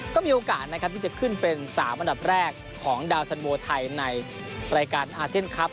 ก็มีโอกาสนะครับที่จะขึ้นเป็น๓อันดับแรกของดาวสันโบไทยในรายการอาเซียนครับ